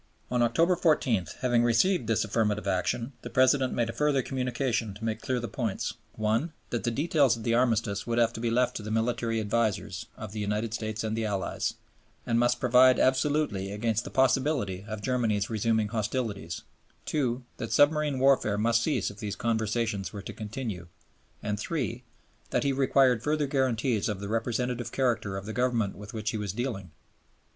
On October 14, having received this affirmative answer, the President made a further communication to make clear the points: (1) that the details of the Armistice would have to be left to the military advisers of the United States and the Allies, and must provide absolutely against the possibility of Germany's resuming hostilities; (2) that submarine warfare must cease if these conversations were to continue; and (3) that he required further guarantees of the representative character of the Government with which he was dealing.